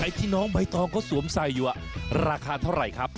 ไอ้พี่น้องใบตองก็สวมใส่อยู่ราคาเท่าไรครับ